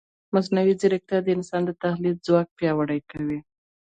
مصنوعي ځیرکتیا د انسان د تحلیل ځواک پیاوړی کوي.